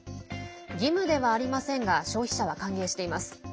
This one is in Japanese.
義務ではありませんが消費者は歓迎しています。